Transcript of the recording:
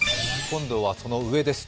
今度はその上です。